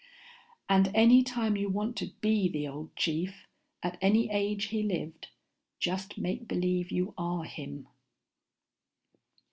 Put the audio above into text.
"And any time you want to be the old chief, at any age he lived, just make believe you are him."